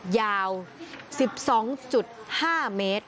ยาว๑๒๕เมตร